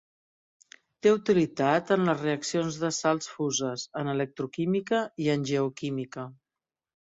Té utilitat en les reaccions de sals fuses, en electroquímica i en geoquímica.